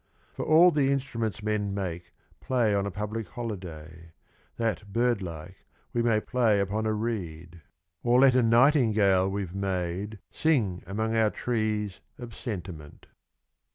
For all the instruments men make Play on a public holiday, That birdlike we may play upon a reed, Or let a nightingale we 've made Sing among our trees of sentiment.